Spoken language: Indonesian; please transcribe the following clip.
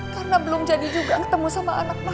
karena belum jadi juga ketemu sama anak mama